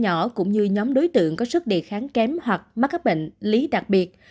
nhóm đối tượng cũng như nhóm đối tượng có sức đề kháng kém hoặc mắc các bệnh lý đặc biệt